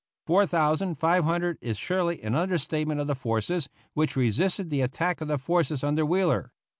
Four thousand five hundred is surely an understatement of the forces which resisted the attack of the forces under Wheeler.